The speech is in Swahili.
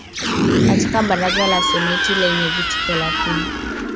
katika Baraza la Seneti lenye viti thelathini